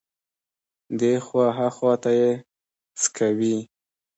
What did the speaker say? دې خوا ها خوا ته يې څکوي.